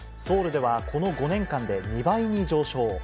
ソウルではこの５年間で２倍に上昇。